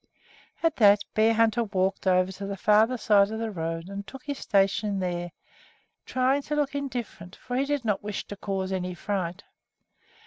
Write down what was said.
At that, Bearhunter walked over to the farther side of the road and took his station there, trying to look indifferent, for he did not wish to cause any fright.